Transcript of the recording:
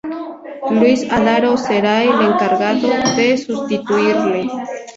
Luis Adaro será el encargado de sustituirle.